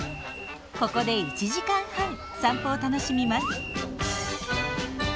ここで１時間半散歩を楽しみます。